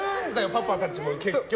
パパたちも結局。